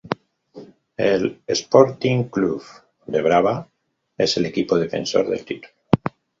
El Sporting Clube da Brava es el equipo defensor del título.